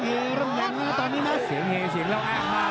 เสียงเฮเริ่มยังมาตอนนี้นะครับ